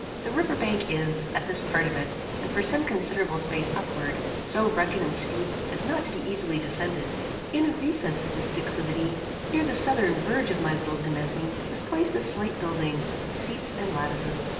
The river bank is, at this part of it, and for some considerable space upward, so rugged and steep as not to be easily descended. In a recess of this declivity, near the southern verge of my little demesne, was placed a slight building, with seats and lattices.